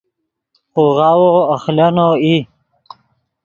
خوغاوو اخلینو ای